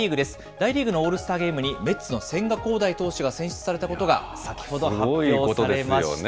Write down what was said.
大リーグのオールスターゲームに、メッツの千賀滉大選手が選出されたことが先ほど発表されました。